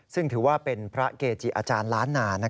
ซึ่งถือว่าเป็นพระเกจิอาจารย์ล้านนา